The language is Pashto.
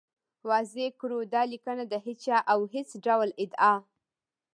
واضح کړو، دا لیکنه د هېچا او هېڅ ډول ادعا